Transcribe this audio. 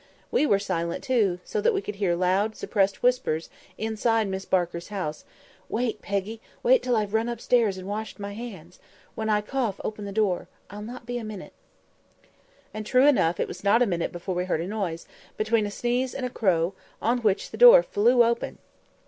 We were silent too, so that we could hear loud, suppressed whispers inside Miss Barker's house: "Wait, Peggy! wait till I've run upstairs and washed my hands. When I cough, open the door; I'll not be a minute." And, true enough it was not a minute before we heard a noise, between a sneeze and a crow; on which the door flew open.